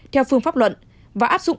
theo phương pháp luận và áp dụng